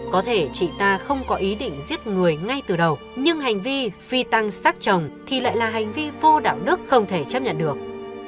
có thể chị ta không có ý định giết người ngay từ đầu nhưng hành vi phi tăng sắc chồng thì lại là hành vi vô đạo đức không thể chấp nhận được